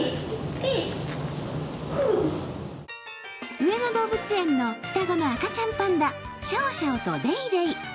上野動物園の双子の赤ちゃんパンダ、シャオシャオとレイレイ。